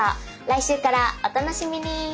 来週からお楽しみに。